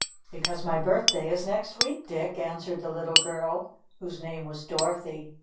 "Because my birthday is next week, Dick," answered the little girl, whose name was Dorothy.